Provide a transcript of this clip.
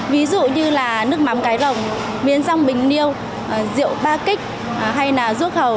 ví dụ như là nước mắm cái rồng miến rong bình niêu rượu ba kích hay là ruốc hầu